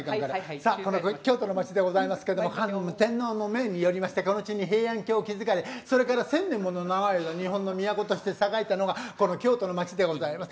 さあこの京都の町でございますけども桓武天皇の命によりましてこの地に平安京を築かれそれから１，０００年もの長い間日本の都として栄えたのがこの京都の町でございます。